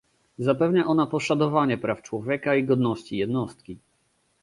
Zapewnia ona poszanowanie praw człowieka i godności jednostki